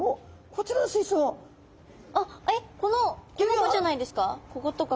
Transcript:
この子じゃないですか？